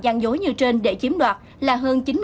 gian dối như trên để chiếm đoạt là hơn